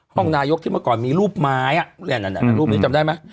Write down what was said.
ห้องนายกที่เมื่อก่อนมีรูปไม้รูปนี้จำได้ไหม